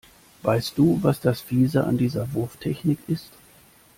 Weißt du, was das Fiese an dieser Wurftechnik ist?